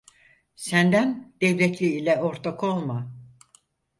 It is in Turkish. Senden devletli ile ortak olma.